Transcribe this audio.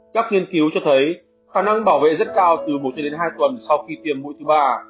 các nghiên cứu cho thấy khả năng bảo vệ rất cao từ một cho đến hai tuần sau khi tiêm mũi thứ ba